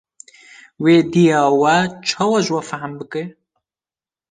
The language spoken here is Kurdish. wê dêya we çawa ji we fehm bike